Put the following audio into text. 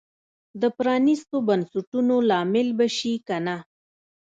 د پرانیستو بنسټونو لامل به شي که نه.